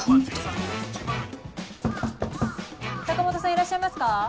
坂本さんいらっしゃいますか？